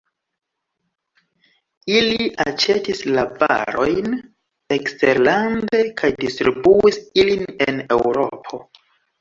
Ili aĉetis la varojn eksterlande kaj distribuis ilin en Eŭropo.